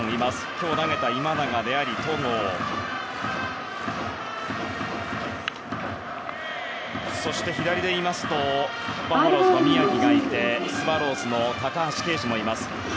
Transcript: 今日投げた今永であり、戸郷そして左でいいますとバファローズの宮城大弥がいてスワローズの高橋奎二もいます。